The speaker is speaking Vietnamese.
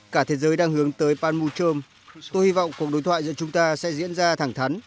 cả thế giới đang hướng tới panmuchom tôi hy vọng cuộc đối thoại giữa chúng ta sẽ diễn ra thẳng thắn